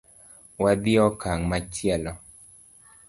Wadhi e okang’ machielo